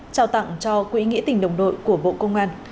trao tặng cho quỹ nghĩa tình đồng đội của bộ công an